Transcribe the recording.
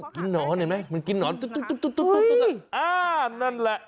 หนอนเห็นไหมมันกินหนอนนั่นแหละ